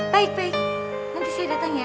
baik baik nanti saya datang ya